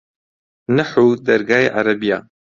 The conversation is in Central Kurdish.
نەحوو دەرگای عەرەبییە